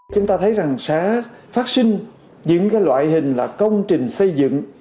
chúng ta thấy rằng sẽ phát sinh những loại hình là công trình xây dựng